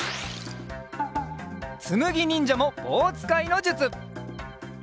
つむぎにんじゃもぼうつかいのじゅつ！